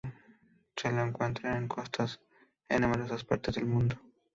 Se lo encuentra en costas en numerosas partes del mundo.